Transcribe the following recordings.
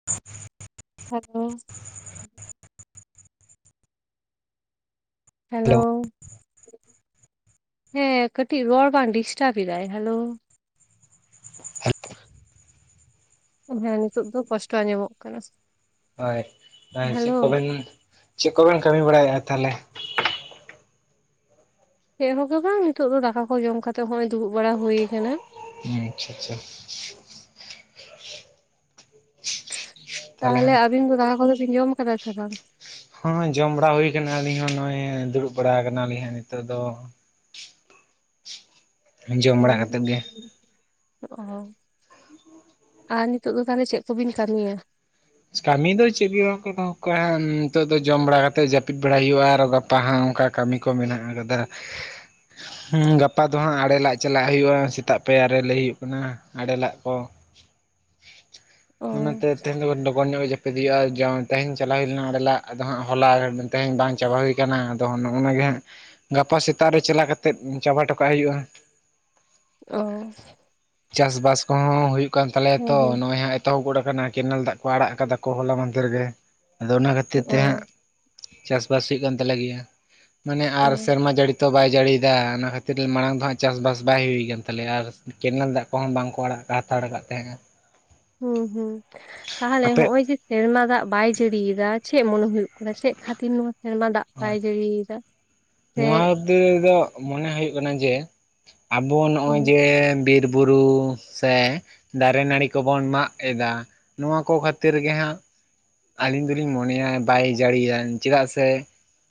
[inaudible] [unintelligible] Hello ᱦᱮᱸ ᱠᱟᱹᱴᱤᱡ ᱨᱚᱲ ᱵᱟᱝ ᱰᱤᱥᱴᱟᱯ ᱮᱫᱟᱭ ᱦᱮᱞᱳ [unintelligible] ᱦᱮᱸ ᱱᱤᱛᱳᱜ ᱫᱚ ᱠᱚᱥᱴᱚ ᱟᱸᱡᱚᱢᱚᱜ ᱠᱟᱱᱟ ᱦᱳᱭ ᱦᱮ ᱪᱮᱫ ᱦᱮᱞᱳ ᱠᱚᱵᱮᱱ ᱪᱮᱫ ᱠᱚᱵᱮᱱ ᱠᱟᱹᱢᱤ ᱵᱟᱲᱟᱭᱮᱫᱼᱟ ᱛᱚᱵᱮ ᱪᱮ ᱦᱚᱜᱮ ᱵᱟᱝ ᱱᱤᱛᱚᱜ ᱫᱚ ᱫᱟᱠᱟ ᱠᱚ ᱡᱚᱢ ᱠᱟᱛᱮᱜ ᱦᱚᱜᱚᱭ ᱫᱩᱲᱩᱵ ᱵᱟᱲᱟ ᱦᱩᱭ ᱠᱟᱱᱟ᱾ ᱦᱩ ᱟᱪᱷᱟ ᱟᱪᱷᱟ ᱛᱟᱦᱚᱞᱮ ᱟᱵᱤᱱ ᱫᱚ ᱫᱟᱠᱟ ᱠᱚᱫᱚ ᱵᱤᱱ ᱡᱚᱢ ᱠᱟᱫᱟ ᱥᱮ ᱵᱟᱝ? ᱦᱚᱦᱚ ᱡᱚᱢ ᱵᱟᱲᱟ ᱦᱩᱭ ᱠᱟᱱᱟ ᱟᱹᱞᱤᱧ ᱦᱚᱸ ᱱᱚᱜᱼᱚᱭ ᱫᱩᱲᱩᱵ ᱵᱟᱲᱟ ᱠᱟᱱᱟ ᱞᱤᱧ ᱦᱟᱜ ᱱᱤᱛᱚᱜ ᱫᱚ ᱡᱚᱢ ᱵᱟᱲᱟ ᱠᱟᱛᱮᱜ ᱜᱮ ᱚᱸ ᱟᱨ ᱱᱤᱛᱚᱜ ᱫᱚ ᱛᱟᱦᱚᱞᱮ ᱪᱮᱫ ᱠᱚᱵᱮᱱ ᱠᱟᱹᱢᱤᱭᱟ? ᱠᱟᱹᱢᱤ ᱫᱚ ᱪᱮᱫ ᱜᱮ ᱵᱟᱝ ᱫᱚᱦᱚ ᱠᱚᱣ ᱱᱤᱛᱚᱜ ᱫᱚ ᱡᱚᱢ ᱵᱟᱲᱟ ᱠᱟᱛᱮᱫ ᱡᱟᱹᱯᱤᱫ ᱵᱟᱲᱟᱣ ᱦᱩᱭᱩᱜᱼᱟ ᱟᱨᱦᱚ ᱜᱟᱯᱟ ᱦᱟᱸᱜ ᱚᱝᱠᱟ? ᱠᱟᱹᱢᱤ ᱠᱚ ᱢᱮᱱᱟᱜ ᱟᱠᱟᱫᱟ [inaudible] ᱦᱮᱸ ᱜᱟᱯᱟ ᱫᱚ ᱦᱟᱸᱜ ᱟᱲᱮ ᱞᱟᱜ ᱪᱟᱞᱟᱜ ᱦᱩᱭᱩᱜᱼᱟ ᱥᱮᱛᱟᱜ ᱯᱟᱭᱟᱨ ᱨᱮ ᱞᱟᱹᱭ ᱦᱩᱭᱩᱜ ᱠᱟᱱᱟ ᱾ ᱟᱲᱮ ᱞᱟᱜ ᱠᱚ ᱚ ᱚᱱᱟᱛᱮ ᱛᱮᱦᱮᱧ ᱫᱚ ᱵᱚᱱ ᱰᱚᱠ ᱞᱚᱜᱚᱱ ᱧᱚᱜ ᱜᱮ ᱡᱟᱹᱯᱤᱫ ᱦᱩᱭᱩᱜᱼᱟ ᱡ ᱛᱮᱦᱮᱧ ᱪᱟᱞᱟᱣ ᱦᱩᱭ ᱞᱮᱱᱟ ᱚᱱᱰᱤᱞᱟᱜ ᱟᱫᱚ ᱦᱟᱸᱜ ᱦᱚᱞᱟ ᱛᱮᱦᱮᱧ ᱵᱟᱝ ᱪᱟᱵᱟ ᱦᱩᱭᱠ ᱠᱟᱱᱟ ᱟᱫᱚ ᱱᱚᱱᱟᱜ ᱜᱮ ᱦᱟᱸᱜ ᱜᱟᱯᱟ ᱥᱮᱛᱟᱜ ᱨᱮ ᱪᱟᱞᱟ ᱠᱟᱛᱮᱜ ᱪᱟᱵᱟ ᱴᱩᱠᱟ ᱦᱩᱭᱩᱜᱼᱟ ᱚ ᱪᱟᱥᱵᱟᱥ ᱠᱚᱦᱚᱸ ᱦᱩᱭ ᱦᱩᱭᱩᱜ ᱠᱟᱱ ᱛᱟᱞᱮᱭᱟ ᱦᱮᱸ ᱛᱚ ᱦᱮᱸ ᱱᱚᱜᱼᱚᱭ ᱦᱟᱸᱜ ᱮᱛᱚᱦᱚᱵ ᱜᱚᱫ ᱠᱟᱱᱟ ᱠᱮᱱᱮᱞ ᱫᱟᱜ ᱟᱲᱟᱜ ᱠᱟᱫᱟ ᱠᱚ ᱦᱚᱞᱟ ᱢᱟᱫᱷᱮᱨ ᱜᱮ ᱟᱫᱚ ᱚᱱᱟ ᱠᱷᱟᱹᱛᱤᱨ ᱛᱮ ᱦᱟᱸᱜ ᱚ ᱪᱟᱥᱵᱟᱥ ᱦᱩᱭᱩᱜ ᱠᱟᱱ ᱛᱟᱞᱮ ᱜᱤᱭᱟ. ᱢᱟᱱᱮ ᱚ ᱟᱨ ᱥᱮᱨᱢᱟ ᱡᱟᱹᱲᱤ ᱛᱚ ᱵᱟᱭ ᱡᱟᱹᱲᱤᱭ ᱫᱟ ᱚᱱᱟ ᱠᱷᱟᱹᱛᱤᱨ ᱢᱟᱲᱟᱝ ᱫᱚ ᱦᱜ ᱪᱟᱥᱵᱟᱥ ᱵᱟᱭ ᱦᱩᱭᱠᱟᱱ ᱛᱟᱞᱮᱭᱟ ᱟᱨ ᱠᱮᱱᱮᱞ ᱫᱟᱜ ᱠᱚᱦᱚᱸ ᱵᱟᱝ ᱠᱚ ᱟᱲᱟᱜ ᱦᱟᱛᱟᱲ ᱠᱟᱭ ᱛᱟᱦᱮᱸᱜᱼᱟ ᱦᱩᱸ ᱦᱩᱸ ᱛᱟᱦᱚᱞᱮ ᱟᱯᱮ ᱦᱚᱸᱜᱼᱚᱭ ᱡᱮ ᱥᱮᱨᱢᱟ ᱫᱟᱜ ᱵᱟᱭ ᱡᱟᱹᱲᱤᱭᱮᱫᱟ ᱪᱮᱫ ᱢᱚᱱᱮ ᱦᱩᱭᱩᱜ ᱠᱟᱱᱟ ᱪᱮᱫ ᱠᱷᱟᱹᱛᱤᱨ ᱱᱚᱶᱟ ᱥᱮᱨᱢᱟ ᱫᱟᱜ ᱦ ᱵᱟᱭ ᱡᱟᱹᱲᱤᱭᱮᱫᱟ ᱥᱮ ᱱᱚᱣᱟ ᱦᱚᱛᱮ ᱫᱚ ᱢᱚᱱᱮ ᱦᱩᱭᱩᱜ ᱠᱟᱱᱟ ᱡᱮ ᱟᱵᱚ ᱱᱚᱜᱼᱚᱭ ᱦᱩᱸ ᱡᱮ ᱵᱤᱨᱵᱩᱨᱩ ᱥᱮ ᱫᱟᱨᱮ ᱱᱟᱹᱲᱤ ᱠᱚᱵᱚᱱ ᱢᱟᱜ ᱮᱫᱟ ᱱᱚᱣᱟ ᱠᱚ ᱠᱷᱟᱹᱛᱤᱨ ᱜᱮ ᱦᱟᱸᱜ ᱟᱹᱞᱤᱧ ᱫᱚᱞᱤᱧ ᱢᱚᱱᱮᱭᱟ ᱵᱟᱭ ᱡᱟᱹᱲᱤᱭᱟᱱ ᱪᱮᱫᱟᱜ ᱥᱮ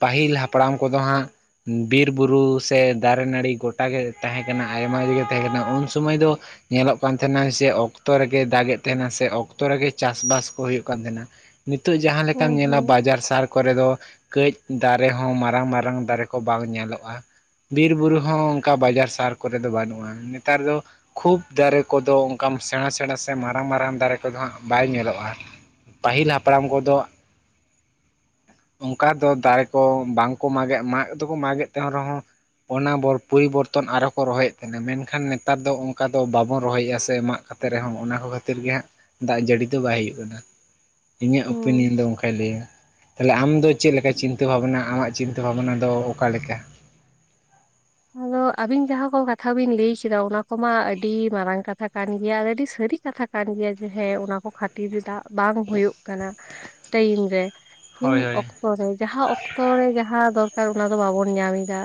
ᱯᱟᱹᱦᱤᱞ ᱦᱟᱯᱲᱟᱢ ᱠᱚᱫᱚ ᱦᱟᱸᱜ ᱵᱤᱨᱵᱩᱨᱩ ᱥᱮ ᱫᱟᱨᱮ ᱱᱟᱹᱲᱤ ᱜᱚᱴᱟᱜᱮ ᱛᱟᱦᱮᱸ ᱠᱟᱱᱟ ᱟᱭᱢᱟ ᱡᱟᱜᱮ ᱛᱟᱦᱮᱸ ᱠᱟᱱᱟ ᱩᱱ ᱥᱚᱢᱚᱭ ᱫᱚ ᱧᱮᱞᱚᱜ ᱠᱟᱱ ᱛᱟᱦᱮᱱᱟ ᱡᱮ ᱚᱠᱛᱚ ᱨᱮᱜᱮ ᱫᱟᱜ ᱮᱫ ᱛᱟᱦᱮᱱᱟ ᱥᱮ ᱚᱠᱛᱚ ᱨᱮᱜᱮ ᱪᱟᱥᱼᱵᱟᱥ ᱠᱚ ᱦᱩᱭᱩᱜ ᱠᱟᱱ ᱛᱟᱦᱮᱱᱟ ᱾ ᱱᱤᱛᱚᱜ ᱡᱟᱦᱟᱸ ᱞᱮᱠᱟᱢ ᱦᱩᱸ ᱧᱮᱞᱟ ᱦᱩᱸ ᱵᱟᱡᱟᱨ ᱥᱟᱨᱠ ᱠᱚᱨᱮ ᱫᱚ ᱠᱟᱹᱡ ᱫᱟᱨᱮ ᱦᱚᱸ ᱢᱟᱨᱟᱝ ᱢᱟᱨᱟᱝ ᱫᱟᱨᱮ ᱠᱚ ᱵᱟᱝ ᱧᱮᱞᱚᱜᱼᱟ ᱾ ᱵᱤᱨ ᱵᱩᱨᱩ ᱦᱚᱸ ᱚᱱᱠᱟ ᱵᱟᱡᱟᱨ ᱥᱟᱨ ᱠᱚᱨᱮ ᱫᱚ ᱵᱟᱹᱱᱩᱜᱼᱟ ᱱᱮᱛᱟᱨ ᱫᱚ ᱠᱷᱩᱵᱽ ᱫᱟᱨᱮ ᱠᱚᱫᱚ ᱚᱱᱠᱟᱱ ᱥᱮᱬᱟ ᱥᱮᱬᱟ ᱥᱮ ᱢᱟᱨᱟᱝ ᱢᱟᱨᱟᱝ ᱫᱟᱨᱮ ᱠᱚᱫᱚ ᱦᱟᱸᱜ ᱵᱟᱭ ᱧᱮᱞᱚᱜᱼᱟ ᱾ ᱯᱟᱹᱦᱤᱞ ᱦᱟᱯᱲᱟᱢ ᱠᱚᱫᱚ ᱚᱱᱠᱟ ᱫᱚ ᱫᱟᱨᱮ ᱠᱚ ᱵᱟᱝᱠᱚ ᱢᱟᱜᱮᱫ ᱢᱟᱜ ᱫᱚᱠᱚ ᱢᱟᱜᱮᱫ ᱛᱟᱦᱮ ᱨᱮᱦᱚᱸ ᱚᱱᱟ ᱵᱚᱨ ᱯᱚᱨᱤᱵᱚᱨᱛᱚᱱ ᱟᱨᱦᱚ ᱠᱚ ᱨᱚᱦᱚᱭᱮᱫ ᱛᱟᱦᱮᱱᱟ ᱢᱮᱱᱠᱷᱟᱱ ᱱᱮᱛᱟᱨ ᱫᱚ ᱚᱱᱠᱟ ᱫᱚ ᱵᱟᱵᱚᱱ ᱨᱚᱦᱚᱭᱮᱫᱼᱟ ᱥᱮ ᱢᱟᱜ ᱟᱛᱮ ᱨᱮᱦᱚᱸ ᱚᱱᱟ ᱠᱚ ᱠᱷᱟᱹᱛᱤᱨ ᱜᱮ ᱦᱟᱸᱜ ᱫᱟᱜ ᱡᱟᱹᱲᱤ ᱫᱚ ᱵᱟᱭ ᱦᱩᱭᱩᱜ ᱠᱟᱱᱟ ᱾ ᱤᱧᱟᱹᱜ ᱦᱩᱸ ᱳᱯᱤᱱᱤᱭᱚᱱ ᱫᱚ ᱚᱱᱠᱟᱭ ᱞᱟᱹᱭᱟ ᱾ ᱛᱟᱦᱞᱮ ᱟᱢ ᱫᱚ ᱪᱮᱫ ᱞᱮᱠᱟ ᱪᱤᱱᱛᱟᱹ ᱵᱷᱟᱵᱱᱟ ᱟᱢᱟᱜ ᱪᱤᱱᱛᱟᱹ ᱵᱷᱟᱵᱱᱟ ᱫᱚ ᱚᱠᱟᱞ ᱞᱮᱠᱟ? ᱟᱫᱚ ᱟᱵᱤᱱ ᱡᱟᱦᱟᱸ ᱠᱚ ᱠᱟᱛᱷᱟ ᱵᱤᱱ ᱞᱟᱹᱭ ᱠᱮᱫᱟ ᱚᱱᱟ ᱠᱚᱢᱟ ᱟᱹᱰᱤ ᱢᱟᱨᱟᱝ ᱠᱟᱛᱷᱟ ᱠᱟᱱ ᱜᱮᱭᱟ ᱟ ᱟᱹᱰᱤ ᱥᱟᱹᱨᱤ ᱠᱟᱛᱷᱟ ᱠᱟᱱ ᱜᱮᱭᱟ ᱡᱮ ᱦᱮᱸ ᱚᱱᱟ ᱠᱚ ᱠᱷᱟᱹᱛᱤᱨ ᱫᱟᱜ ᱵᱟᱝ ᱦᱩᱭᱩᱜ ᱠᱟᱱᱟ ᱴᱟᱭᱤᱢ ᱨᱮ ᱛᱤᱱ ᱦᱳᱭ ᱦᱳᱭ ᱚᱠᱛᱚ ᱨᱮ ᱡᱟᱦᱟᱸ ᱚᱠᱛᱚ ᱨᱮ ᱡᱟᱦᱟᱸ ᱫᱚᱨᱠᱟᱨ ᱚᱱᱟ ᱫᱚ ᱵᱟᱵᱚᱱ ᱧᱟᱢ ᱮᱫᱟ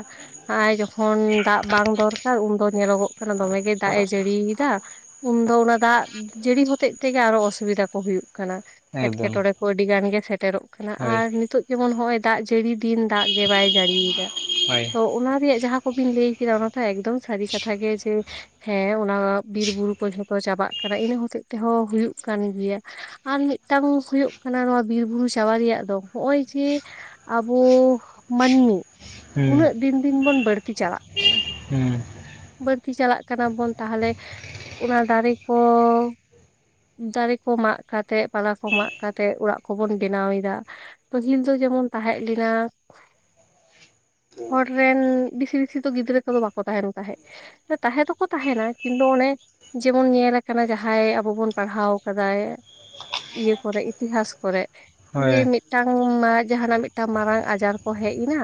ᱟᱨ ᱡᱚᱠᱷᱚᱱ ᱫᱟᱜ ᱵᱟᱝ ᱫᱚᱨᱠᱟᱨ ᱩᱱᱫᱚ ᱧᱮᱞᱚᱜᱚᱜ ᱠᱟᱱᱟ ᱫᱚᱢᱮ ᱜᱮ ᱫᱟᱜ ᱮ ᱡᱟᱹᱲᱤᱭᱮᱫᱟ ᱾ ᱩᱱᱫᱚ ᱚᱱᱟ ᱫᱟᱜ ᱡᱟᱹᱲᱤ ᱦᱚᱛᱮᱡ ᱛᱮᱜᱮ ᱟᱨᱚ ᱚᱥᱩᱵᱤᱫᱟ ᱠᱚ ᱦᱩᱭᱩᱜ ᱠᱟᱱᱟ ᱮᱠᱫᱚᱢ ᱮᱴᱠᱮᱴᱚᱲᱮ ᱾ ᱟᱹᱰᱤ ᱜᱟᱱ ᱜᱮ ᱥᱮᱴᱮᱨᱚᱜ ᱠᱟᱱᱟ ᱦᱳᱭ ᱟᱨ ᱱᱤᱛᱚᱜ ᱡᱮᱢᱚᱱ ᱦᱚᱜ ᱚᱭ ᱫᱟᱜ ᱡᱟᱹᱲᱤ ᱫᱤᱱ ᱫᱟᱜ ᱜᱮ ᱵᱟᱭ ᱡᱟᱹᱲᱤᱭᱮᱫᱟ ᱾ ᱦᱳᱭ ᱾ ᱚᱱᱟ ᱨᱮᱭᱟᱜ ᱡᱟᱦᱟᱸ ᱠᱚᱵᱤᱱ ᱞᱟᱹᱭ ᱠᱮᱫᱟ ᱚᱱᱟ ᱫᱚ ᱮᱠᱫᱚᱢ ᱥᱟᱹᱨᱤ ᱠᱟᱛᱷᱟ ᱜᱮ ᱡᱮ ᱦᱮᱸ ᱚᱱᱟ ᱵᱤᱨ ᱵᱩᱨᱩ ᱠᱚ ᱡᱷᱚᱛᱚ ᱪᱟᱵᱟᱜ ᱠᱟᱱᱟ ᱤᱱᱟᱹ ᱦᱚᱛᱮᱜ ᱛᱮᱦᱚᱸ ᱦᱩᱭᱩᱜ ᱠᱟᱱ ᱜᱮᱭᱟ ᱾ ᱟᱨ ᱢᱤᱫᱴᱟᱝ ᱦᱩᱭᱩᱜ ᱠᱟᱱᱟ ᱱᱚᱣᱟ ᱵᱤᱨᱵᱩᱨᱩ ᱪᱟᱵᱟ ᱨᱮᱭᱟᱜ ᱫᱚ ᱱᱚᱜᱼᱚᱭ ᱡᱮ ᱾ ᱟᱵᱚ ᱢᱟᱹᱱᱢᱤ ᱦᱩᱸ ᱩᱱᱟᱹᱜ ᱫᱤᱱ ᱫᱤᱱ ᱵᱚᱱ ᱵᱟᱹᱲᱛᱤ ᱪᱟᱞᱟᱜ ᱠᱟᱱᱟ ᱾ ᱦᱩᱸ ᱵᱟᱹᱲᱛᱤ ᱪᱟᱞᱟᱜ ᱠᱟᱱᱟ ᱵᱚᱱ ᱛᱟᱦᱚᱞᱮ ᱚᱱᱟ ᱫᱟᱨᱮ ᱠᱚ ᱫᱟᱨᱮ ᱠᱚ ᱢᱟᱜ ᱠᱟᱛᱮᱜ ᱯᱟᱞᱟ ᱠᱚ ᱢᱟᱜ ᱠᱟᱛᱮᱜ ᱚᱲᱟᱜ ᱠᱚᱵᱚᱱ ᱵᱮᱱᱟᱣᱮᱫᱟ ᱾ ᱯᱟᱹᱦᱤᱞ ᱫᱚ ᱡᱮᱢᱚᱱ ᱛᱟᱦᱮᱸ ᱞᱮᱱᱟ ᱦᱚᱲ ᱨᱮᱱ ᱵᱤᱥᱤ ᱵᱤᱥᱤ ᱫᱚ ᱜᱤᱫᱽᱨᱟᱹ ᱠᱚᱫᱚ ᱵᱟᱠᱚ ᱛᱟᱦᱮᱱ ᱛᱟᱦᱮᱸᱫ ᱛᱟᱦᱮᱸ ᱫᱚᱠᱚ ᱛᱟᱦᱮᱱᱟ ᱠᱤᱱᱛᱩ ᱚᱱᱮ ᱡᱮᱢᱚᱱ ᱧᱮᱞ ᱡᱟᱦᱟᱸᱭ ᱟᱵᱚ ᱵᱚᱱ ᱯᱟᱲᱦᱟᱣ ᱠᱟᱫᱟᱭ ᱾ ᱤᱭᱟᱹ ᱠᱚᱨᱮ ᱤᱛᱤᱦᱟᱥ ᱠᱚᱨᱮ ᱦᱳᱭ ᱡᱮ ᱢᱤᱫᱴᱟᱝ ᱡᱟᱦᱟᱸᱟᱱᱟᱜ ᱢᱤᱫᱴᱟᱝ ᱢᱟᱨᱟᱝ ᱟᱡᱟᱨ ᱠᱚ ᱦᱮᱡ ᱮᱱᱟ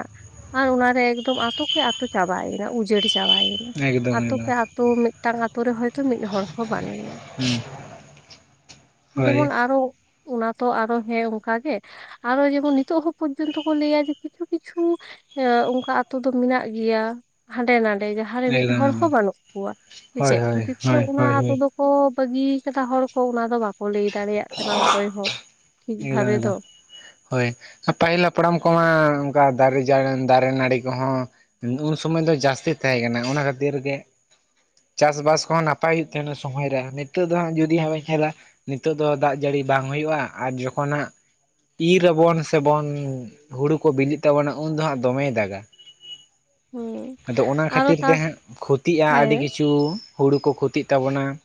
ᱟᱨ ᱚᱱᱟᱨᱮ ᱮᱠᱫᱚᱢ ᱟᱛᱳ ᱠᱮ ᱟᱛᱳ ᱪᱟᱵᱟᱭᱮᱱᱟ ᱩᱡᱟᱹᱲ ᱪᱟᱵᱟᱭᱮᱱᱟ ᱾ ᱮᱠᱫᱚᱢ ᱟᱛᱳ ᱠᱮ ᱮᱠᱫᱚᱢ ᱟᱛᱳ ᱢᱤᱫᱴᱟᱝ ᱟᱛᱳ ᱨᱮ ᱦᱚᱭᱛᱳ ᱢᱤᱫ ᱦᱚᱲ ᱦᱚᱸ ᱵᱟᱹᱱᱩᱭᱟ ᱾ ᱦᱩᱸ ᱦᱳᱭ ᱡᱮᱢᱚᱱ ᱟᱨᱚ ᱚᱱᱟ ᱛᱚ ᱟᱨᱚ ᱦᱮᱸ ᱚᱱᱠᱟ ᱜᱮ ᱾ ᱟᱨᱚ ᱡᱮᱢᱚᱱ ᱱᱤᱛᱚᱜ ᱦᱚᱸ ᱯᱚᱨᱡᱚᱱᱛᱚ ᱠᱚ ᱞᱟᱹᱭᱟ ᱡᱮ ᱠᱤᱪᱷᱩ ᱠᱤᱪᱷᱩ ᱚᱱᱠᱟ ᱟᱛᱳ ᱫᱚ ᱢᱮᱱᱟᱜ ᱜᱮᱭᱟ ᱦᱟᱸᱰᱮ ᱱᱟᱰᱮ ᱡᱟᱦᱟᱸ ᱡᱟᱦᱟᱸ ᱨᱮ ᱢᱤᱫ ᱮᱠᱫᱚᱢ ᱦᱚᱲ ᱦᱚᱸ ᱮᱠᱫᱚᱢ ᱵᱟᱹᱱᱩᱜ ᱠᱚᱣᱟ ᱦᱳᱭ ᱪᱮᱫ ᱦᱳᱭ ᱠᱷᱟᱹᱛᱤᱨ ᱛᱮ ᱦᱳᱭ ᱚᱱᱟ ᱦᱳᱭ ᱦᱳᱭ ᱠᱫᱚ ᱠᱚ ᱵᱟᱹᱜᱤᱭᱟ ᱠᱟᱫᱟ ᱦᱚᱲ ᱠᱚ ᱚᱱᱟ ᱫᱚ ᱵᱟᱠᱚ ᱞᱟᱹᱭ ᱫᱟᱲᱮᱭᱟᱜ ᱠᱟᱱᱟ ᱚᱠᱚᱭ ᱦᱚᱸ ᱴᱷᱤᱠ ᱮᱠᱫᱚᱢ ᱵᱷᱟᱵᱮ ᱮᱠᱫᱚᱢ ᱫᱚ ᱾ ᱦᱳᱭ ᱯᱟᱹᱦᱤᱞ ᱦᱟᱯᱲᱟᱢ ᱠᱚᱢᱟ ᱚᱱᱠᱟ ᱫᱟᱨᱮ ᱫᱟᱨᱮ ᱱᱟᱹᱲᱤ ᱠᱚᱦᱚᱸ ᱩᱱ ᱥᱚᱢᱚᱭ ᱫᱚ ᱡᱟᱹᱥᱛᱤ ᱛᱟᱦᱮᱸ ᱠᱟᱱᱟ ᱚᱱᱟ ᱠᱷᱟᱹᱛᱤᱨ ᱜᱮ ᱪᱟᱥᱵᱟᱥ ᱠᱚᱦᱚᱸ ᱱᱟᱯᱟᱭ ᱦᱩᱭᱩᱜ ᱛᱟᱦᱮᱱᱟ ᱥᱚᱢᱚᱭ ᱨᱮ ᱱᱤᱛᱚᱜ ᱫᱚ ᱦᱟᱸᱜ ᱡᱩᱫᱤ ᱦᱟᱸᱜ ᱵᱚᱱᱧ ᱮᱞᱟ ᱱᱤᱛᱚᱜ ᱫᱚ ᱫᱟᱜ ᱡᱟᱹᱲᱤ ᱵᱟᱝ ᱦᱩᱭᱩᱜᱼᱟ ᱟᱨ ᱡᱚᱠᱷᱚᱱ ᱦᱟᱜ ᱤᱨ ᱟᱵᱚᱱ ᱥᱮᱵᱚᱱ ᱦᱩᱲᱩ ᱠᱚ ᱵᱤᱞᱤᱜ ᱛᱟᱵᱚᱱᱟ ᱩᱱ ᱫᱚ ᱦᱟᱸᱜ ᱫᱚᱢᱮᱭ ᱫᱟᱜᱟ [inaudible] ᱟᱫᱚ ᱚᱱᱟ ᱟᱨᱚ ᱠᱷᱟᱹᱛᱤᱨ ᱛᱟ ᱛᱮ ᱦᱟᱸᱜ ᱠᱷᱚᱛᱤᱜᱼᱟ ᱟᱹᱰᱤ ᱦᱮᱸ ᱠᱤᱪᱷᱩ ᱛᱚ ᱦᱩᱲᱳ ᱠᱚ ᱠᱷᱚᱛᱤᱜ ᱛᱟᱵᱚᱱᱟ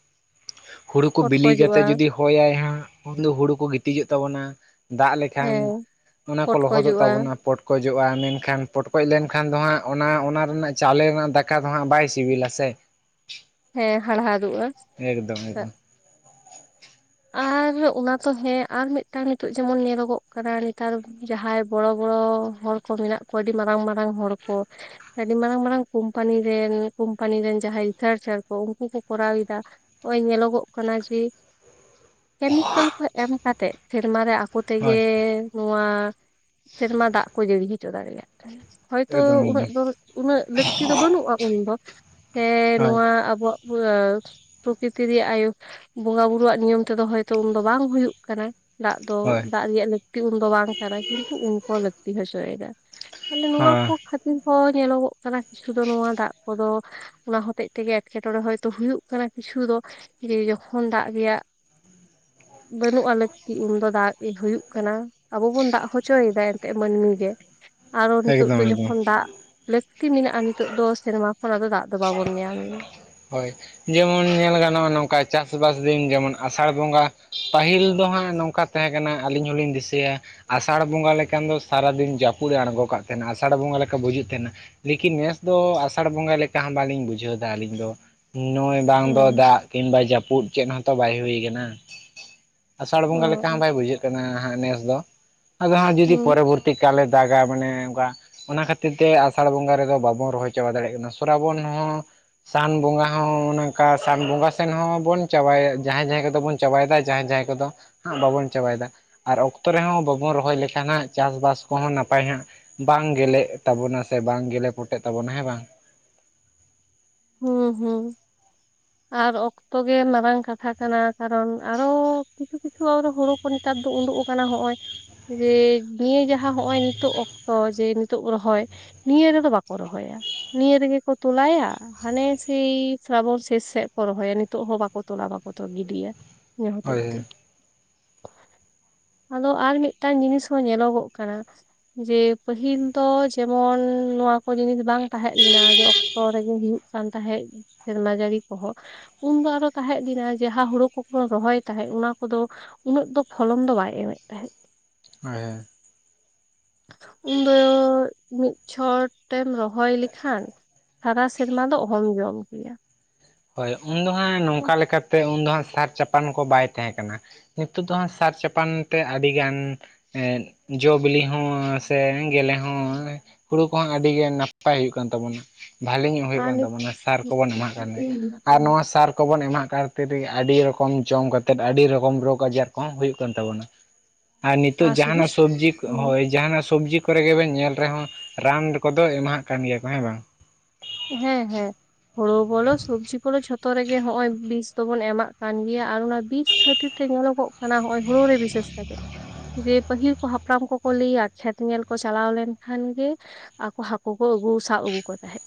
ᱦᱩᱲᱳ ᱠᱚ ᱵᱤᱞᱤ ᱯᱚᱴᱠᱚᱡᱚᱜᱼᱟ ᱠᱟᱛᱮ ᱡᱩᱫᱤ ᱦᱚᱭ ᱟᱭ ᱦᱟᱸᱜ ᱩᱱ ᱫᱚ ᱦᱩᱲᱩ ᱠᱚ ᱜᱤᱛᱤᱡᱚᱜ ᱛᱟᱵᱚᱱᱟ ᱫᱟᱜ ᱞᱮᱠᱷᱟᱱ ᱦᱮᱸ ᱚᱱᱟ ᱠᱚ ᱞᱚᱦᱚᱫᱚᱜ ᱯᱚᱴᱠᱚᱡᱚᱜᱼᱟ ᱛᱟᱵᱚᱱᱟ ᱯᱚᱴᱠᱚᱡ ᱯᱚᱴᱠᱚᱡᱚᱜᱼᱟ ᱢᱮᱱᱠᱷᱟᱱ ᱯᱚᱴᱠᱚᱡ ᱞᱮᱱᱠᱷᱟᱱ ᱫᱚ ᱦᱟᱸᱜ ᱚᱱᱟ ᱚᱱᱟ ᱨᱮᱱᱟᱜ ᱪᱟᱣᱞᱮ ᱨᱮᱱᱟᱜ ᱫᱟᱠᱟ ᱫᱚ ᱦᱟᱸᱜ ᱵᱟᱭ ᱥᱤᱵᱤᱞᱟ ᱥᱮ ᱦᱮᱸ ᱦᱟᱲᱦᱟᱫᱩᱜᱼᱟ ᱮᱠᱫᱚᱢ ᱮᱠᱫᱚᱢ ᱟᱨ ᱚᱱᱟ ᱛᱚ ᱦᱮᱸ ᱟᱨ ᱢᱤᱫᱴᱟᱝ ᱱᱤᱛᱚᱜ ᱡᱮᱢᱚᱱ ᱧᱮᱞᱚᱜᱚᱜ ᱠᱟᱱᱟ ᱱᱮᱛᱟᱨ ᱡᱟᱦᱟᱸᱭ ᱵᱚᱲᱚ ᱵᱚᱲᱚ ᱦᱚᱲ ᱠᱚ ᱢᱮᱱᱟᱜ ᱠᱚᱣᱟ ᱟᱹᱰᱤ ᱢᱟᱨᱟᱝ ᱢᱟᱨᱟᱝ ᱦᱚᱲ ᱠᱚ ᱟᱹᱰᱤ ᱢᱟᱨᱟᱝ ᱢᱟᱨᱟᱝ ᱠᱳᱢᱯᱟᱱᱤ ᱨᱮᱱ ᱠᱚᱢᱯᱟᱱᱤ ᱨᱮᱱ ᱡᱟᱦᱟᱸᱭ ᱨᱤᱥᱟᱨᱪᱟᱨ ᱟᱠᱚ ᱩᱱᱠᱩ ᱠᱚ ᱠᱚᱨᱟᱣ ᱮᱫᱟ ᱱᱚᱜᱼᱚᱭ ᱧᱮᱞᱚᱜᱚᱜ ᱠᱟᱱᱟ ᱡᱮ ᱠᱮᱢᱤᱠᱮᱞ ᱠᱚ ᱮᱢ ᱠᱟᱛᱮᱫ ᱥᱮᱨᱢᱟ ᱨᱮ ᱟᱠᱚᱛ ᱛᱮᱜᱮ ᱦᱳᱭ ᱱᱚᱣᱟ ᱥᱮᱨᱢᱟ ᱫᱟᱜ ᱠᱚ ᱡᱟᱹᱲᱤ ᱦᱚᱪᱚ ᱫᱟᱲᱮᱭᱟᱜ ᱠᱟᱱᱟ ᱦᱚᱭᱛᱚ ᱮᱠᱫᱚᱢ ᱩᱱᱟᱹᱜ ᱮᱠᱫᱚᱢ ᱫᱚ ᱩᱱᱟᱹᱜ ᱞᱟᱹᱠᱛᱤ ᱫᱚ ᱵᱟᱹᱱᱩᱜᱼᱟ ᱩᱱ ᱫᱚ ᱥᱮ ᱦᱳᱭ ᱱᱚᱣᱟ ᱟᱵᱚᱣᱟᱜ ᱦᱸ ᱯᱨᱚᱠᱤᱛᱤ ᱨᱮᱭᱟᱜ ᱟᱭ ᱵᱚᱸᱜᱟ ᱵᱩᱨᱩᱣᱟᱜ ᱧᱩᱢ ᱨᱚᱦᱚᱭ ᱫᱚ ᱩᱱ ᱫᱚ ᱵᱟᱝ ᱦᱩᱭᱩᱜ ᱠᱟᱱᱟ ᱫᱟᱜ ᱫᱚ ᱦᱳᱭ ᱫᱟᱜ ᱨᱮᱭᱟᱜ ᱞᱟᱹᱠᱛᱤ ᱫᱚ ᱩᱱ ᱫᱚ ᱵᱟᱝ ᱠᱟᱱᱟ ᱠᱤᱱᱛᱩ ᱩᱱ ᱠᱚ ᱞᱟᱹᱠᱛᱤ ᱦᱚᱪᱚᱭ ᱮᱫᱟ ᱛᱟᱦᱚᱞᱮ ᱱᱚᱣᱟ ᱦᱚᱸ ᱠᱚ ᱠᱷᱟᱹᱛᱤᱨ ᱦᱚᱸ ᱧᱮᱞᱚᱜᱚᱜ ᱠᱟᱱᱟ ᱠᱤᱪᱷᱩ ᱫᱚ ᱱᱚᱣᱟ ᱫᱟᱜ ᱠᱚᱫᱚ ᱚᱱᱟ ᱦᱚᱛᱮᱜ ᱛᱮᱜᱮ ᱮᱴᱠᱮᱴᱚᱲᱮ ᱦᱚᱭ ᱛᱚ ᱦᱩᱭᱩᱜ ᱠᱟᱱᱟ ᱠᱤᱪᱷᱩ ᱫᱚ ᱡᱮ ᱡᱚᱠᱷᱚᱱ ᱫᱟᱜ ᱨᱮᱭᱟᱜ ᱵᱟᱹᱱᱩᱜ ᱟ ᱞᱟᱹᱠᱤ ᱩᱱᱫᱚ ᱫᱟᱜ ᱦᱩᱭᱩᱜ ᱠᱟᱱᱟ ᱟᱵᱚ ᱵᱚᱱ ᱫᱟᱜ ᱦᱚᱪᱚᱭᱮᱫᱟ ᱮᱱᱛᱮ ᱢᱟᱹᱱᱢᱤ ᱜᱮ ᱟᱨᱚ ᱱᱤᱛᱚᱜ ᱫᱚ ᱮᱠᱫᱚᱢ ᱮᱠᱫᱚᱢ ᱡᱚᱠᱷᱚᱱ ᱫᱟᱜ ᱞᱟᱹᱠᱛᱤ ᱢᱮᱱᱟᱜᱼᱟ ᱱᱤᱛᱚᱜ ᱫᱚ ᱥᱮᱨᱢᱟ ᱠᱷᱚᱱᱟᱜ ᱫᱚ ᱫᱟᱜ ᱫᱚ ᱵᱟᱵᱚᱱ ᱧᱟᱢ ᱮᱫᱟ [inaudible] ᱦᱳᱭ ᱡᱮᱢᱚᱱ ᱧᱮᱞ ᱜᱟᱱᱚᱜᱼᱟ ᱱᱚᱝᱠᱟ ᱪᱟᱥᱵᱟᱥ ᱫᱤᱱ ᱡᱮᱢᱚᱱ ᱟᱥᱟᱲ ᱵᱚᱸᱜᱟ ᱯᱟᱹᱦᱤᱞ ᱫᱚ ᱦᱟᱸᱜ ᱱᱚᱝᱠᱟ ᱛᱟᱦᱮᱸ ᱠᱟᱱᱟ ᱟᱹᱞᱤᱧ ᱦᱚᱸᱞᱤᱧ ᱫᱤᱥᱟᱹᱭᱟ ᱟᱥᱟᱲ ᱵᱚᱸᱜᱟ ᱞᱮᱠᱟᱱ ᱫᱚ ᱥᱟᱨᱟᱫᱤᱱ ᱡᱟᱹᱯᱩᱫ ᱮ ᱟᱬᱜᱚ ᱠᱟᱜ ᱛᱟᱦᱮᱱᱟ ᱟᱥᱟᱲ ᱵᱚᱸᱜᱟ ᱞᱮᱠᱟ ᱵᱩᱡᱩᱜ ᱛᱟᱦᱮᱱᱟ ᱞᱮᱠᱤᱱ ᱱᱮᱥ ᱫᱚ ᱟᱥᱟᱲ ᱵᱚᱸᱜᱟ ᱞᱮᱠᱟ ᱠᱟᱱ ᱵᱟᱞᱤᱧ ᱵᱩᱡᱷᱟᱹᱣ ᱮᱫᱟ ᱟᱹᱞᱤᱧ ᱫᱚ ᱱᱚᱜᱚᱭ ᱵᱟᱝ ᱫᱚ ᱦᱩᱸ ᱫᱟᱜ ᱠᱤᱝᱵᱟ ᱡᱟᱹᱯᱩᱫ ᱪᱮᱫ ᱦᱚᱸᱛᱚ ᱵᱟᱭ ᱦᱩᱭ ᱟᱠᱟᱱᱟ ᱟᱥᱟᱲ ᱵᱚᱸᱜᱟ ᱞᱮᱠᱟ ᱦᱚᱸ ᱚ ᱵᱟᱭ ᱵᱩᱡᱷᱟᱹᱜ ᱠᱟᱱᱟ ᱦᱟᱸᱜ ᱱᱮᱥ ᱫᱚ ᱟᱫᱚ ᱦᱟᱸ ᱡᱩᱫᱤ ᱦᱩᱸ ᱯᱚᱨᱚᱵᱚᱨᱛᱤ ᱮᱠᱟᱞᱮ ᱫᱟᱜᱟ ᱢᱟᱱᱮ ᱚᱱᱠᱟ ᱚᱱᱟ ᱠᱷᱟᱹᱛᱤᱨ ᱛᱮ ᱟᱥᱟᱲ ᱵᱚᱸᱜᱟ ᱨᱮᱫᱚ ᱵᱟᱵᱚᱱ ᱨᱚᱦᱚᱭ ᱪᱟᱵᱟ ᱫᱟᱲᱮᱭᱟᱜ ᱠᱟᱱᱟ ᱥᱨᱟᱵᱚᱱ ᱦᱚᱸ ᱥᱟᱱ ᱵᱚᱸᱜᱟ ᱦᱚᱸ ᱚᱱᱠᱟ ᱥᱟᱱ ᱵᱚᱸᱜᱟ ᱥᱮᱱ ᱦᱚᱸᱵᱚᱱ ᱪᱟᱵᱟᱭᱟ ᱡᱟᱦᱟᱸᱭ ᱡᱟᱦᱟᱸᱭ ᱠᱚᱫᱚᱵᱚᱱ ᱪᱟᱵᱟᱭᱮᱫᱟ ᱡᱟᱦᱟᱸ ᱡᱟᱭᱜᱟ ᱫᱚ ᱵᱟᱵᱚᱱ ᱪᱟᱵᱟᱭᱮᱫᱟ ᱟᱨ ᱚᱠᱛᱚ ᱨᱮᱦᱚᱸ ᱵᱟᱵᱚᱱ ᱨᱚᱦᱚᱭ ᱞᱮᱠᱷᱟᱱ ᱦᱟᱸᱜ ᱪᱟᱥᱵᱟᱥ ᱠᱚᱦᱚᱸ ᱱᱟᱯᱟᱭ ᱦᱟᱸᱜ ᱵᱟᱝ ᱜᱮᱞᱮᱜ ᱛᱟᱵᱚᱱᱟ ᱥᱮ ᱵᱟᱝ ᱜᱮᱞᱮ ᱯᱚᱴᱮᱜ ᱛᱟᱵᱚᱱᱟ ᱦᱮᱸ ᱵᱟᱝ ᱦᱩᱸ ᱦᱩᱸ ᱟᱨ ᱚᱠᱛᱚ ᱜᱮ ᱢᱟᱨᱟᱝ ᱠᱟᱛᱷᱟ ᱠᱟᱱᱟ ᱠᱟᱨᱚᱱ ᱟᱨᱚ ᱠᱤᱪᱷᱩ ᱠᱤᱪᱷᱩ ᱟ ᱦᱩᱲᱩ ᱱᱮᱛᱟᱨ ᱫᱚ ᱩᱰᱩᱠ ᱟᱠᱟᱱᱟ ᱦᱚᱸᱜᱼᱚᱭ ᱡᱮ ᱱᱤᱭᱟᱹ ᱡᱟᱦᱟᱸ ᱦᱚᱜ ᱚᱭ ᱱᱤᱛᱚᱜ ᱚᱠᱛᱚ ᱡᱮ ᱱᱤᱛᱚᱜ ᱨᱚᱦᱚᱭ ᱱᱤᱭᱟᱹ ᱨᱮᱫᱚ ᱵᱟᱠᱚ ᱨᱚᱦᱚᱭᱟ ᱱᱤᱭᱟᱹ ᱨᱮᱜᱮ ᱠᱚ ᱛᱚᱞᱟᱭᱟ ᱦᱟᱱᱮ ᱥᱮᱭ ᱥᱨᱟᱵᱚᱱ ᱥᱮᱥ ᱥᱮᱫ ᱠᱚ ᱨᱚᱦᱚᱭᱟ ᱱᱤᱛᱚᱜ ᱦᱚᱸ ᱵᱟᱠᱚ ᱛᱚᱞᱟ ᱵᱟᱠᱚ ᱜᱤᱰᱤᱭᱟ ᱚᱱᱟ ᱦᱚᱛᱮᱡ ᱦᱳᱭ ᱛᱮ ᱦᱳᱭ ᱟᱫᱚ ᱟᱨ ᱢᱤᱫᱴᱟᱝ ᱡᱤᱱᱤᱥ ᱦᱚᱸ ᱧᱮᱞᱚᱜᱚᱜ ᱠᱟᱱᱟ ᱡᱮ ᱯᱟᱹᱦᱤᱞ ᱫᱚ ᱡᱮᱢᱚᱱ ᱱᱚᱣᱟ ᱠᱚ ᱡᱤᱱᱤᱥ ᱵᱟᱝ ᱛᱟᱦᱮᱸ ᱞᱮᱱᱟ ᱡᱮ ᱚᱠᱛᱚ ᱨᱮᱜᱮ ᱦᱩᱭᱩᱜ ᱠᱟᱱ ᱛᱟᱦᱮᱫ ᱥᱮᱨᱢᱟ ᱡᱟᱹᱲᱤ ᱠᱚᱦᱚᱸ ᱩᱱ ᱫᱚ ᱟᱨᱚ ᱛᱟᱦᱮᱸᱫ ᱞᱤᱱᱟ ᱡᱟᱦᱟᱸ ᱦᱩᱲᱩ ᱠᱚᱵᱚᱱ ᱨᱚᱦᱚᱭ ᱛᱟᱦᱮᱸᱫ ᱚᱱᱟ ᱠᱚᱫᱚ ᱩᱱᱟᱹᱜ ᱫᱚ ᱯᱷᱚᱞᱚᱱ ᱫᱚ ᱵᱟᱭ ᱮᱢᱮᱫ ᱛᱟᱦᱮᱸᱫ ᱦᱮᱸ ᱩᱱ ᱫᱚ ᱢᱤᱫ ᱪᱷᱚᱴᱮᱢ ᱨᱚᱦᱚᱭ ᱞᱮᱠᱷᱟᱱ ᱥᱟᱨᱟ ᱥᱮᱨᱢᱟ ᱫᱚ ᱚᱦᱚᱢ ᱡᱚᱢ ᱠᱮᱭᱟ᱾ ᱦᱚᱭ ᱩᱱᱫᱚ ᱦᱟᱸᱜ ᱱᱚᱝᱠᱟ ᱞᱮᱠᱟ ᱛᱮ ᱩᱱ ᱫᱚ ᱦᱟᱸᱜ ᱥᱟᱨ ᱪᱟᱯᱟᱱ ᱠᱚ ᱵᱟᱭ ᱛᱟᱦᱮᱸ ᱠᱟᱱᱟ ᱱᱤᱛᱚᱜ ᱫᱚ ᱦᱟᱸᱜ ᱥᱟᱨ ᱪᱟᱯᱟᱱ ᱛᱮ ᱟᱹᱰᱤ ᱜᱟᱱ ᱡᱚ ᱵᱤᱞᱤ ᱦᱚᱸ ᱥᱮ ᱜᱮᱞᱮ ᱦᱚᱸ ᱦᱩᱲᱩ ᱠᱚᱦᱚᱸ ᱟᱹᱰᱤ ᱜᱮ ᱱᱟᱯᱟᱭ ᱦᱩᱭᱩᱜ ᱠᱟᱱ ᱛᱟᱵᱚᱱᱟ ᱵᱷᱟᱞᱤ ᱧᱚᱜ ᱦᱩᱭᱩᱜ ᱟᱨ ᱠᱟᱱ ᱱᱤᱛ ᱛᱟᱵᱚᱱᱟ ᱥᱟᱨ ᱠᱚᱵᱚᱱ ᱮᱢᱟᱜ ᱠᱟᱱ ᱛᱟᱦᱮᱸ ᱥᱟᱨ ᱠᱚᱵᱚᱱ ᱮᱢᱟᱜ ᱠᱷᱟᱹᱛᱤᱨ ᱜᱮ ᱟᱹᱰᱤ ᱨᱚᱠᱚᱢ ᱡᱚᱢ ᱠᱟᱛᱮᱫ ᱟᱹᱰᱤ ᱨᱚᱠᱚᱢ ᱨᱳᱜᱽ ᱟᱡᱟᱨ ᱠᱚᱦᱚᱸ ᱦᱩᱭᱩᱜ ᱠᱟᱱ ᱛᱟᱵᱚᱱᱟ [inaudible] ᱟᱨ ᱱᱤᱛᱚᱜ ᱡᱟᱦᱟᱸ ᱱᱟᱜ ᱥᱚᱵᱽᱡᱤ ᱦᱩᱸ ᱦᱳᱭ ᱡᱟᱸᱦᱟᱱᱟᱜ ᱥᱚᱵᱽᱡᱤ ᱠᱚ ᱠᱚᱨᱮ ᱜᱮᱵᱮᱱ ᱧᱮᱞ ᱨᱮᱦᱚᱸ ᱨᱟᱱ ᱠᱚᱫᱚ ᱮᱢᱟᱦᱟᱜ ᱠᱟᱱ ᱜᱮᱭᱟ ᱠᱚ ᱦᱮᱸ ᱵᱟᱝ ᱦᱮᱸ ᱦᱮᱸ ᱦᱩᱲᱩ ᱵᱚᱞᱚ ᱥᱚᱵᱽᱡᱤ ᱠᱚᱫᱚ ᱡᱚᱛᱚ ᱛᱚ ᱨᱮᱜᱮ ᱦᱚᱸᱜᱼᱚᱭ ᱵᱤᱥ ᱫᱚᱵᱚᱱ ᱮᱢᱟᱜ ᱠᱟᱱ ᱜᱮᱭᱟ ᱟᱨ ᱚᱱᱟ ᱵᱤᱥ ᱠᱷᱟᱹᱛᱤᱨ ᱛᱮ ᱧᱮᱞᱚᱜᱚᱜ ᱠᱟᱱᱟ ᱦᱚᱸᱜᱼᱚᱭ ᱦᱩᱲᱩ ᱨᱮ ᱵᱤᱥᱮᱥ ᱡᱮ ᱯᱟᱹᱦᱤᱞ ᱠᱚ ᱦᱟᱯᱲᱟᱢ ᱠᱚᱠᱚ ᱞᱟᱹᱭᱟ ᱠᱷᱮᱛ ᱧᱮᱞ ᱠᱚ ᱪᱟᱞᱟᱣ ᱞᱮᱱ ᱠᱷᱟᱱ ᱜᱮ ᱟᱠᱚ ᱦᱟᱹᱠᱩ ᱠᱚ ᱟᱹᱜᱩ ᱥᱟᱵ ᱟᱹᱜᱩ ᱠᱚᱣᱟ ᱛᱟᱦᱮᱸᱫ᱾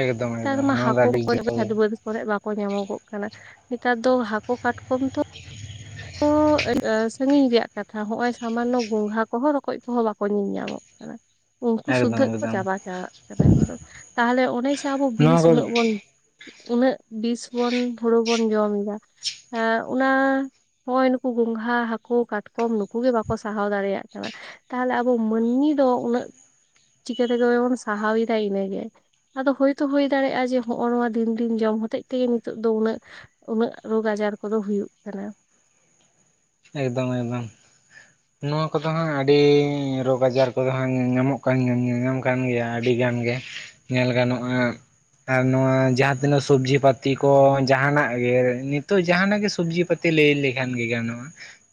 ᱮᱠᱫᱚᱢ ᱮᱠᱫᱚᱢ ᱢᱟ ᱚᱱᱟ ᱫᱚ ᱦᱟᱹᱠᱚ ᱠᱚ ᱟᱹᱰᱤ ᱡᱚᱛᱚ ᱜᱮ [inaudible] ᱠᱚᱨᱮ ᱵᱟᱠᱚ ᱧᱟᱢᱚᱜᱚᱜ ᱠᱟᱱᱟ ᱱᱮᱛᱟᱨ ᱫᱚ ᱦᱟᱹᱠᱩ ᱠᱟᱴᱠᱚᱢ ᱛᱚ [unintelligible] [inaudible] ᱩᱱᱠᱩ ᱮᱠᱫᱚᱢ ᱥᱩᱫᱫᱷᱟᱹᱜ ᱠᱚ ᱮᱠᱫᱚᱢ ᱪᱟᱵᱟ ᱪᱟᱞᱟᱜ ᱠᱟᱱᱟ ᱮᱠᱫᱚᱢ ᱛᱟᱦᱚᱞᱮ ᱚᱱᱮ ᱡᱮ ᱟᱵᱚ ᱱᱚᱣᱟ ᱵᱤᱥ ᱠᱚ ᱩᱱᱟᱹᱜ ᱵᱚᱱ ᱩᱱᱟᱹᱜ ᱵᱤᱥ ᱵᱚᱱ ᱦᱩᱲᱩ ᱵᱚᱱ ᱡᱚᱢ ᱫᱟ ᱟᱨ ᱟᱚᱱᱟ ᱱᱚᱜᱼᱚᱭ ᱱᱩᱠᱩ ᱜᱚᱝᱜᱷᱟ ᱦᱟᱹᱠᱩ ᱠᱟᱴᱠᱚᱢ ᱱᱩᱠᱩ ᱜᱮ ᱵᱟᱠᱚ ᱥᱟᱦᱟᱣ ᱫᱟᱲᱮᱭᱟᱜ ᱠᱟᱱᱟ ᱛᱟᱦᱚᱞᱮ ᱟᱵᱚ ᱢᱟᱹᱱᱢᱤ ᱫᱚ ᱩᱱᱟᱹᱜ ᱪᱤᱠᱟᱹ ᱛᱮᱫᱚ ᱵᱚᱱ ᱥᱟᱦᱟᱣ ᱮᱫᱟ ᱤᱱᱟᱹ ᱜᱮ? ᱟᱫᱚ ᱦᱳᱭ ᱛᱚ ᱦᱩᱭ ᱫᱟᱲᱮᱭᱟᱜᱼᱟ ᱡᱮ ᱦᱚᱸᱜᱼᱱᱚᱣᱟ ᱫᱤᱱ ᱫᱤᱱ ᱡᱚᱢ ᱦᱚᱛᱮᱡ ᱛᱮᱜᱮ ᱱᱤᱛᱚᱜ ᱫᱚ ᱩᱱᱟᱹᱜ ᱩᱱᱟᱹᱜ ᱨᱳᱜᱽ ᱟᱡᱟᱨ ᱠᱚᱫᱚ ᱦᱩᱭᱩᱜ ᱠᱟᱱᱟ ᱮᱠᱫᱚᱢ-ᱮᱠᱫᱚᱢ᱾ ᱱᱚᱣᱟ ᱠᱚᱫᱚ ᱦᱟᱸᱜ ᱟᱹᱰᱤ ᱨᱳᱜᱽ ᱟᱡᱟᱨ ᱠᱚᱫᱚ ᱦᱟᱸᱜ ᱧᱟᱢᱚᱜ ᱠᱟᱱ ᱧᱟᱢ ᱠᱟᱱ ᱜᱮᱭᱟ ᱟᱹᱰᱤ ᱜᱟᱱ ᱜᱮ ᱧᱮᱞ ᱜᱟᱱᱚᱜᱼᱟ ᱟᱨ ᱱᱚᱣᱟ ᱡᱟᱦᱟᱸ ᱛᱤᱱᱟᱹᱜ ᱥᱚᱵᱡᱤ ᱯᱟ. ᱛᱤ ᱠᱚ ᱡᱟᱸᱦᱟᱱᱟᱜ ᱜᱮ ᱱᱤᱛᱚᱜ ᱡᱟᱦᱟᱸᱱᱟᱜ ᱜᱮ ᱥᱚᱵᱡᱤ ᱯᱟᱹᱛᱤ ᱛᱮ ᱞᱟᱹᱭ ᱞᱮᱠᱷᱟᱱ ᱜᱮ ᱜᱟᱱᱚᱜᱼᱟ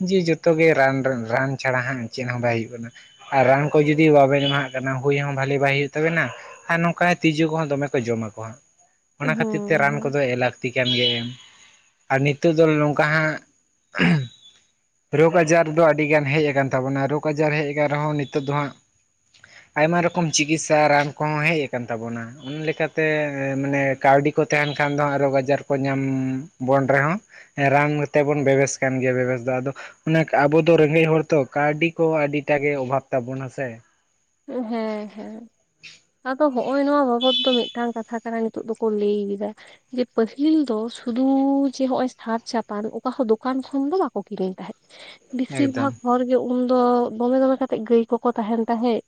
ᱡᱮ ᱡᱚᱛᱚ ᱜᱮ ᱨᱟᱱ ᱨᱮ ᱨᱟᱱ ᱪᱷᱟᱲᱟ ᱦᱟᱸᱜ ᱪᱮᱫ ᱦᱚᱸ ᱵᱟᱭ ᱦᱩᱭᱩᱜ ᱠᱟᱱᱟ᱾ ᱟᱨ ᱨᱟᱱ ᱠᱚ ᱡᱩᱫᱤ ᱵᱟᱵᱮᱱ ᱮᱢᱟᱦᱟᱜ ᱠᱟᱱᱟ ᱦᱩᱭ ᱦᱚᱸ ᱵᱷᱟᱹᱞᱤ ᱵᱟᱭ ᱦᱩᱭᱩᱜ ᱛᱟᱵᱤᱱᱟ ᱟᱨ ᱱᱚᱝᱠᱟ ᱛᱤᱡᱩ ᱠᱚᱦᱚᱸ ᱫᱚᱢᱮ ᱠᱚ ᱡᱚᱢᱟ ᱠᱚ ᱚᱱᱟ ᱦᱩᱸ ᱠᱷᱟᱹᱛᱤᱨ ᱛᱮ ᱨᱟᱱ ᱦᱩᱸ ᱠᱚᱫᱚ ᱞᱟᱠ ᱛᱤ ᱠᱟᱱ ᱜᱮ ᱟᱨ ᱱᱤᱛᱚᱜ ᱫᱚ ᱱᱚᱝᱠᱟ ᱦᱟᱸᱜ ᱨᱚᱜᱽ ᱟᱡᱟᱨ ᱫᱚ ᱟᱹᱰᱤ ᱜᱟᱱ ᱦᱮᱡ ᱟᱠᱟᱱ ᱛᱟᱵᱚᱱᱟ᱾ ᱨᱚᱜᱽ ᱟᱡᱟᱨ ᱦᱮᱡ ᱟᱠᱟᱱ ᱨᱮᱦᱚᱸ ᱱᱤᱛᱚᱜ ᱫᱚ ᱦᱟᱸᱜ [inaudible] ᱟᱭᱢᱟ ᱨᱚᱠᱚᱢ ᱪᱤᱠᱤᱛᱥᱟ ᱨᱟᱱ ᱠᱚᱦᱚᱸ ᱦᱮᱡ ᱠᱟᱱ ᱛᱟᱵᱚᱱᱟ᱾ ᱚᱱᱟ ᱞᱮᱠᱟᱛᱮ ᱢᱟᱱᱮ ᱠᱟᱹᱣᱰᱤ ᱠᱚ ᱛᱟᱸᱦᱮᱱ ᱠᱷᱟᱱ ᱫᱚ ᱟᱨᱦᱚᱸ ᱟᱡᱟᱨ ᱠᱚ ᱧᱟᱢ ᱵᱚᱱ ᱨᱮᱦᱚᱸ ᱨᱟᱱ ᱛᱮᱵᱚᱱ ᱵᱮᱵᱮᱥ ᱠᱟᱱ ᱜᱮᱭᱟ ᱵᱮᱵᱮᱥ ᱟᱫᱚ ᱟᱫᱚ ᱚᱱᱮ ᱟᱵᱚ ᱫᱚ ᱨᱮᱸᱜᱮᱡ ᱦᱚᱲ ᱛᱚ ᱠᱟᱹᱣᱰᱤ ᱠᱚ ᱟᱹᱰᱤᱴᱟ ᱜᱮ ᱚᱵᱷᱟᱵᱽ ᱛᱟᱵᱚᱱᱟ ᱥᱮ ᱦᱮᱸ ᱦᱮᱸ ᱟᱫᱚ ᱦᱚᱸᱜᱼᱚᱭ ᱱᱚᱣᱟ ᱵᱟᱵᱚᱫ ᱫᱚ ᱢᱤᱫ ᱴᱟᱝ ᱠᱟᱛᱷᱟ ᱠᱟᱱᱟ ᱱᱤᱛᱚᱜ ᱫᱚᱠᱚ ᱞᱟᱹᱭ ᱮᱫᱟ ᱡᱮ ᱯᱟᱹᱦᱤᱞ ᱫᱚ ᱥᱩᱫᱷᱩ ᱡᱮ ᱦᱚᱸᱜᱼᱚᱭ ᱥᱟᱨ ᱪᱷᱟᱯᱟᱱ ᱚᱠᱟ ᱦᱚᱸ ᱫᱚᱠᱟᱱ ᱠᱷᱚᱱ ᱫᱚ ᱵᱟᱠᱚ ᱠᱤᱨᱤᱧ ᱛᱟᱦᱮᱸᱫ᱾ ᱵᱮᱥᱤᱨ ᱵᱷᱟᱜ ᱮᱠᱫᱚᱢ ᱦᱚᱲ ᱜᱮ ᱩᱱ ᱫᱚ ᱫᱚᱢᱮ ᱫᱚᱢᱮ ᱠᱟᱛᱮ ᱜᱟᱹᱭ ᱠᱚ ᱠᱚ ᱛᱟᱦᱮᱸᱱ ᱛᱟᱦᱮᱸᱫ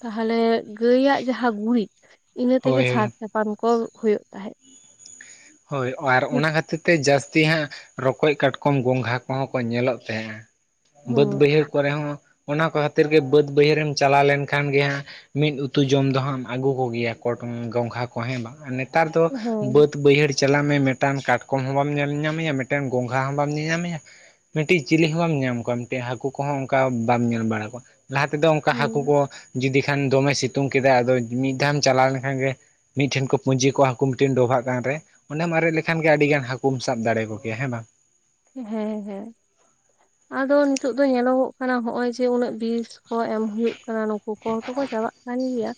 ᱛᱟᱦᱚᱞᱮ ᱜᱟᱹᱭ ᱟᱜ ᱡᱟᱦᱟᱸ ᱜᱩᱨᱤᱡ ᱤᱱᱟᱹ ᱛᱮᱜᱮ ᱦᱳᱭ ᱦᱳᱭ ᱥᱟᱨ ᱪᱟᱯᱟᱱ ᱠᱚ ᱦᱩᱭᱩᱜ ᱛᱟᱦᱮᱸᱫ ᱦᱚᱭ ᱟᱨ ᱚᱱᱟ ᱠᱷᱟᱹᱛᱤᱨ ᱛᱮ ᱡᱟᱹᱥ ᱛᱤ ᱦᱟᱸᱜ ᱨᱚᱠᱚᱡ ᱠᱟᱴᱠᱚᱢ ᱜᱚᱝᱜᱷᱟ ᱠᱚᱦᱚᱸ ᱠᱚ ᱧᱮᱞᱚᱜ ᱛᱟᱦᱮᱸᱜᱼᱟ ᱵᱟᱹᱫᱽ ᱦᱩᱸ ᱵᱟᱹᱭᱦᱟᱹᱲ ᱠᱚᱨᱮ ᱦᱚᱸ ᱚᱱᱟ ᱠᱚ ᱠᱷᱟᱹᱛᱤᱨ ᱜᱮ ᱵᱟᱹᱫᱽ ᱵᱟᱹᱭᱦᱟᱹᱲ ᱮᱢ ᱪᱟᱞᱟᱣ ᱞᱮᱱ ᱠᱷᱟᱱ ᱜᱮ ᱦᱟᱸᱜ ᱢᱤᱫ ᱩᱛᱩ ᱡᱚᱢ ᱫᱚ ᱦᱟᱸᱜ ᱮᱢ ᱟᱹᱜᱩ ᱠᱚ ᱜᱮᱭᱟ ᱠᱚᱴᱚᱝ ᱜᱚᱝᱜᱷᱟ ᱠᱚ ᱦᱮᱸ ᱵᱟᱝ ᱱᱮᱛᱟᱨ ᱫᱚ ᱦᱮᱸ ᱵᱟᱹᱫ ᱵᱟᱹᱭᱦᱟᱹᱲ ᱪᱟᱞᱟᱜ ᱢᱮ ᱢᱤᱫ ᱴᱟᱱ ᱠᱟᱴ ᱠᱚᱢ ᱦᱚᱸ ᱵᱟᱢ ᱧᱮᱞ ᱧᱟᱢᱮᱭᱟ ᱢᱤᱫ ᱴᱟᱱ ᱜᱚᱝᱜᱷᱟ ᱦᱚᱸ ᱵᱟᱢ ᱧᱮᱞ ᱧᱟᱢᱮᱭᱟ ᱢᱤᱫᱴᱤᱡ ᱪᱤᱞᱤ ᱦᱚᱸ ᱵᱟᱢ ᱧᱟᱢ ᱠᱚᱣᱟ᱾ ᱢᱤᱫᱴᱤᱡ ᱦᱟᱹᱠᱩ ᱠᱚᱦᱚᱸ ᱚᱱᱠᱟ ᱵᱟᱢ ᱧᱮᱢ ᱵᱟᱲᱟ ᱠᱚᱣᱟ᱾ ᱞᱟᱦᱟ ᱛᱮᱫᱚ ᱚᱱᱠᱟ ᱦᱟᱹᱠᱩ ᱠᱚ ᱦᱮᱸ ᱡᱩᱫᱤ ᱠᱷᱟᱱ ᱫᱚᱢᱮ ᱥᱤᱛᱩᱝ ᱠᱮᱫᱟ ᱟᱫᱚ ᱢᱤᱫ ᱫᱷᱟᱣ ᱮᱢ ᱪᱟᱞᱟᱣ ᱞᱮᱱ ᱠᱷᱟᱱ ᱜᱮ ᱢᱤᱫ ᱴᱷᱮᱱ ᱠᱚ ᱯᱩᱸᱡᱤ ᱠᱚᱜ ᱦᱟᱹᱠᱩ ᱢᱤᱫ ᱴᱮᱱ ᱰᱚᱵᱷᱟᱜ ᱜᱟᱱ ᱨᱮ ᱚᱱᱮᱢ ᱟᱨᱮᱡ ᱞᱮᱠᱷᱟᱱ ᱜᱮ ᱟᱹᱰᱤ ᱜᱟᱱ ᱦᱟᱹᱠᱩᱢ ᱥᱟᱵ ᱫᱟᱲᱮ ᱟᱠᱚ ᱠᱮᱭᱟ ᱦᱮᱸ ᱵᱟᱝ ᱦᱮᱸ ᱦᱮᱸ ᱟᱫᱚ ᱱᱤᱛᱚᱜ ᱫᱚ ᱧᱮᱞᱚᱜᱚᱜ ᱠᱟᱱᱟ ᱦᱚᱜ-ᱚᱭ ᱡᱮ ᱩᱱᱟᱹᱜ ᱵᱤᱥ ᱠᱚ ᱮᱢ ᱦᱩᱭᱩᱜ ᱠᱟᱱᱟ ᱱᱩᱠᱩ ᱠᱚᱦᱚᱸ ᱫᱚ ᱠᱚ ᱪᱟᱵᱟᱜ ᱠᱟᱱ ᱜᱮᱭᱟ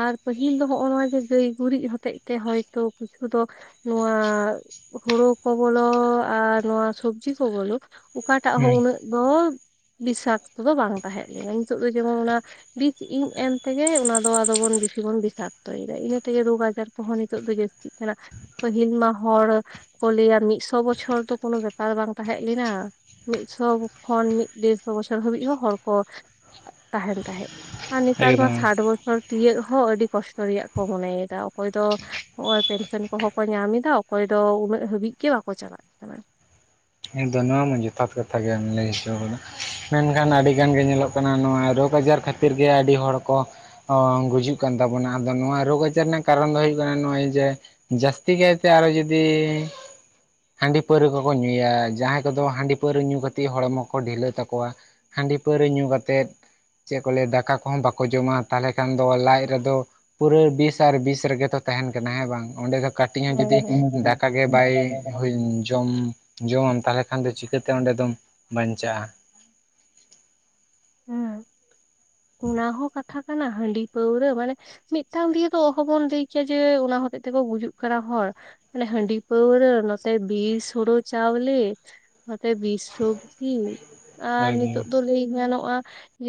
ᱟᱨ ᱯᱟᱹᱦᱤᱞ ᱫᱚ ᱦᱚᱜᱼᱚᱭ ᱱᱚᱣᱟ ᱡᱮ ᱜᱟᱹᱭ ᱜᱩᱨᱤᱡ ᱦᱚᱛᱮᱡ ᱛᱮ ᱦᱚᱭᱛᱚ ᱠᱤᱪᱷᱩ ᱫᱚ ᱱᱚᱣᱟ ᱦᱩᱲᱩ ᱠᱚ ᱵᱚᱞᱚ ᱟᱨ ᱱᱚᱣᱟ ᱥᱚᱵᱽᱡᱤ ᱠᱚ ᱵᱚᱞᱚ ᱚᱠᱟᱴᱟᱜ ᱦᱚᱸ ᱦᱩᱸ ᱩᱱᱟᱹᱜ ᱫᱚ ᱵᱤᱥᱟᱠᱛᱚ ᱫᱚ ᱵᱟᱝ ᱛᱟᱦᱮᱸ ᱞᱮᱭᱟ ᱱᱤᱛᱚᱜ ᱫᱚ ᱡᱮᱢᱚᱱ ᱚᱱᱟ ᱵᱤᱥ ᱤᱧ ᱮᱱ ᱛᱮᱜᱮ ᱚᱱᱟ ᱫᱚ ᱟᱫᱚ ᱵᱚᱱ ᱵᱤᱥᱟᱠᱛᱚᱭᱮᱫᱟ ᱤᱱᱟᱹ ᱛᱮᱜᱮ ᱨᱳᱜᱽ ᱟᱡᱟᱨ ᱠᱚᱦᱚᱸ ᱱᱤᱛᱚᱜ ᱫᱚ ᱡᱟᱹᱥᱛᱤ ᱠᱟᱱᱟ ᱯᱟᱹᱦᱤᱞ ᱢᱟ ᱦᱚᱲ ᱠᱚ ᱞᱟᱹᱭᱟ ᱢᱤᱫᱥᱚ ᱵᱚᱪᱷᱚᱨ ᱛᱚ ᱠᱳᱱᱚ ᱵᱮᱯᱟᱨ ᱵᱟᱝ ᱛᱟᱦᱮᱸᱱ ᱞᱮᱱᱟ ᱢᱤᱫ ᱥᱚ ᱠᱷᱚᱱ ᱢᱤᱫ ᱰᱮᱲ ᱥᱚ ᱵᱚᱪᱷᱚᱨ ᱦᱟᱹᱵᱤᱡ ᱦᱚᱸ ᱦᱚᱲᱠᱚ ᱛᱟᱦᱮᱸᱱ ᱛᱟᱦᱮᱸᱫ ᱟᱨ ᱱᱮᱛᱟᱨ ᱢᱟ ᱮᱠᱫᱚᱢ ᱥᱟᱴ ᱵᱚᱪᱷᱚᱨ ᱛᱤᱭᱳᱟᱹᱜ ᱦᱚᱸ ᱟᱹᱰᱤ ᱠᱚᱥᱴᱚ ᱨᱮᱭᱟᱜ ᱠᱚ ᱢᱚᱱᱮᱭᱮᱫᱟ ᱚᱠᱚᱭ ᱫᱚ ᱱᱚᱜ ᱚᱭ ᱯᱮᱱᱥᱮᱱ ᱠᱚᱦᱚᱸ ᱠᱚ ᱧᱟᱢᱮᱫᱟ ᱚᱠᱚᱭ ᱫᱚ ᱩᱱᱟᱹᱜ ᱦᱟᱹᱵᱤᱡ ᱜᱮ ᱵᱟᱠᱚ ᱪᱟᱞᱟᱜ ᱠᱟᱱᱟ ᱤᱧᱫᱚ ᱱᱚᱶᱟ ᱢᱟ ᱡᱚᱛᱷᱟᱛ ᱠᱟᱛᱷᱟ ᱜᱮᱢ ᱞᱟᱹᱭ ᱦᱚᱪᱚ ᱟᱠᱟᱫᱟ ᱢᱮᱱᱠᱷᱟᱱ ᱟᱹᱰᱤᱜᱟᱱ ᱜᱮ ᱧᱮᱞᱚᱜ ᱠᱟᱱᱟ ᱱᱚᱶᱟ ᱨᱳᱜᱽ ᱟᱡᱟᱨ ᱠᱷᱟᱹᱛᱤᱨ ᱜᱮ ᱟᱹᱰᱤ ᱦᱚᱲ ᱠᱚ ᱜᱩᱡᱩᱜ ᱠᱟᱱ ᱛᱟᱵᱚᱱᱟ ᱟᱫᱚ ᱱᱚᱣᱟ ᱨᱳᱜᱽ ᱟᱡᱟᱨ ᱨᱮᱱᱟᱜ ᱠᱟᱨᱚᱱ ᱫᱚ ᱦᱩᱭᱩᱜ ᱠᱟᱱᱟ ᱱᱚᱜᱼᱚᱭ ᱡᱮ ᱡᱟᱹᱥᱛᱤ ᱜᱮ ᱮᱱᱛᱮ ᱟᱨᱚ ᱡᱩᱫᱤ ᱦᱟᱺᱰᱤ ᱯᱟᱹᱣᱨᱟᱹ ᱜᱮᱵᱚᱱ ᱧᱩᱭᱟ ᱡᱟᱦᱟᱸᱭ ᱠᱚᱫᱚ ᱦᱟᱺᱰᱤ ᱯᱟᱹᱣᱨᱟᱹ ᱧᱩ ᱠᱟᱛᱮᱫ ᱦᱚᱲᱢᱚ ᱠᱚ ᱰᱷᱤᱞᱟᱹ ᱛᱟᱠᱚᱣᱟ ᱦᱟᱺᱰᱤ ᱯᱟᱹᱣᱨᱟᱹ ᱧᱩ ᱠᱟᱛᱮᱫ ᱪᱮᱫ ᱠᱚ ᱞᱟᱹᱭᱟ ᱫᱟᱠᱟ ᱠᱚᱦᱚᱸ ᱵᱟᱠᱚ ᱡᱚᱢᱟ ᱛᱟᱦᱚᱞᱮ ᱠᱷᱟᱱ ᱫᱚ ᱞᱟᱡ ᱨᱮᱫᱚ ᱯᱩᱨᱟᱹ ᱵᱤᱥ ᱟᱨ ᱵᱤᱥ ᱨᱮᱜᱮ ᱛᱚ ᱛᱟᱦᱮᱸᱱ ᱠᱟᱱᱟ ᱦᱮᱸ ᱵᱟᱝ ᱚᱸᱰᱮ ᱠᱟᱹᱴᱤᱡ ᱦᱚᱸ ᱦᱮᱸ ᱡᱩᱫᱤ ᱦᱮᱸ ᱦᱮᱸ ᱫᱟᱠᱟ ᱜᱮ ᱵᱟᱭ ᱦᱩᱭ ᱡᱚᱢ ᱡᱚᱢᱟᱢ ᱛᱟᱦᱚᱞᱮ ᱠᱷᱟᱱ ᱫᱚ ᱪᱤᱠᱟᱹᱛᱮ ᱚᱸᱰᱮ ᱫᱚᱢ ᱵᱟᱧᱪᱟᱜᱼᱟ ᱚᱱᱟ ᱦᱚᱸ ᱠᱟᱛᱷᱟ ᱠᱟᱱᱟ ᱦᱟᱺᱰᱤ ᱯᱟᱹᱣᱨᱟᱹ ᱢᱟᱱᱮ ᱢᱤᱫ ᱴᱟᱝ ᱫᱤᱭᱮ ᱛ ᱚᱦᱚᱚᱵᱚᱱ ᱞᱟᱹᱭ ᱠᱮᱭᱟ ᱡᱮ ᱚᱱᱟ ᱦᱚᱛᱮᱡ ᱛᱮᱠᱚ ᱜᱩᱡᱩᱜ ᱠᱟᱱᱟ ᱦᱚᱲ ᱚᱱᱮ ᱦᱟᱺᱰᱤ ᱯᱟᱹᱣᱨᱟᱹ ᱱᱚᱛᱮ ᱵᱤᱥ ᱦᱩᱲᱩ ᱪᱟᱣᱞᱮ ᱱᱚᱛᱮ ᱵᱤᱥ ᱥᱚᱵᱽᱡᱤ ᱟᱨ ᱱᱤᱛᱚᱜ ᱫᱚ ᱞᱟᱹᱭ ᱜᱟᱱᱚᱜᱼᱟ ᱡᱮ